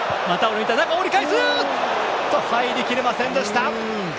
入りきれませんでした。